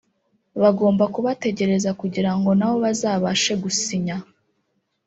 bagomba kubategereza kugira ngo nabo bazabashe gusinya